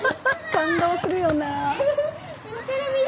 感動するよな。